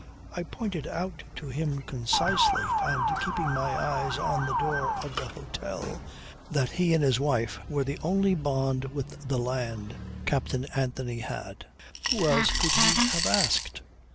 I pointed out to him concisely, and keeping my eyes on the door of the hotel, that he and his wife were the only bond with the land Captain Anthony had. Who else could he have asked?